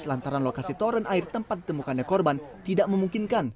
lantaran lokasi toren air tempat ditemukannya korban tidak memungkinkan